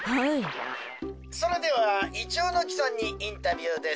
それでは銀杏のきさんにインタビューです。